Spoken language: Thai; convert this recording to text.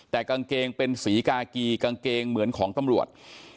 แต่กางเกงเป็นสีกากีกางเกงเหมือนของตำรวจ